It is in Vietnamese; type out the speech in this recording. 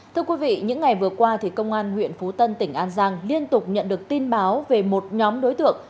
thưa quý vị những ngày vừa qua công an huyện phú tân tỉnh an giang liên tục nhận được tin báo về một nhóm đối tượng